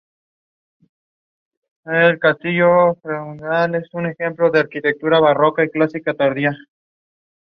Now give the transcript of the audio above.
There are three theories about the origin of the name "Lepel".